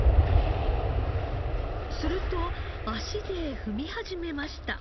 すると足で踏み始めました。